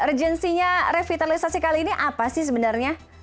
urgensinya revitalisasi kali ini apa sih sebenarnya